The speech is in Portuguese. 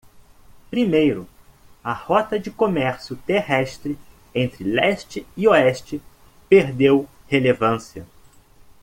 Primeiro?, a rota de comércio terrestre entre leste e oeste perdeu relevância.